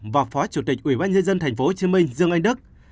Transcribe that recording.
và phó chủ tịch ủy ban nhân dân tp hcm dương anh đức